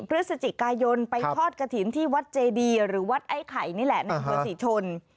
พฤศจิกายนไปทอดกระถิ่นที่วัดเจดีหรือวัดไอ้ไข่นี่แหละในอำเภอศรีชน